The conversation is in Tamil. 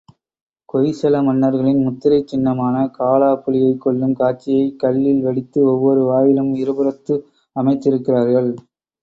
ஹொய்சல மன்னர்களின் முத்திரைச் சின்னமான காலா புலியைக் கொல்லும் காட்சியைக் கல்லில் வடித்து, ஒவ்வொரு வாயிலின் இருபுறத்தும் அமைத்திருக்கிறார்கள்.